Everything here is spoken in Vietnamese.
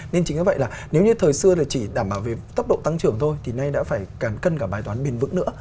nên chính do vậy là nếu như thời xưa là chỉ đảm bảo về tốc độ tăng trưởng thôi thì nay đã phải càng cân cả bài toán bền vững nữa